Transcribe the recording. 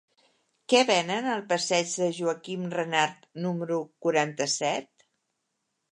Què venen al passeig de Joaquim Renart número quaranta-set?